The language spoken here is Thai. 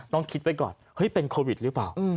ต้องคิดไว้ก่อนเฮ้ยเป็นโควิดหรือเปล่า